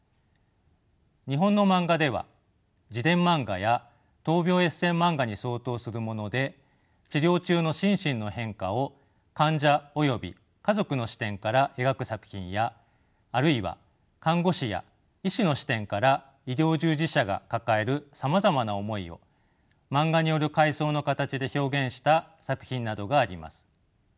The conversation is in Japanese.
日本のマンガでは自伝マンガや闘病エッセーマンガに相当するもので治療中の心身の変化を患者および家族の視点から描く作品やあるいは看護師や医師の視点から医療従事者が抱えるさまざまな思いをマンガによる回想の形で表現した作品などがあります。